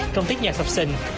trong tiết nhạc sập sinh